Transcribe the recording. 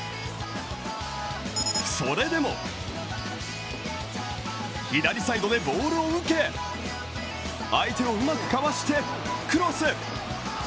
それでも左サイドでボールを受け相手をうまくかわしてクロス。